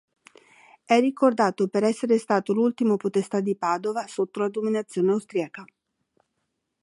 È ricordato per essere stato l'ultimo podestà di Padova sotto la dominazione austriaca.